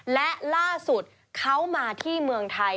และล่าสุดเขามาที่เมืองไทย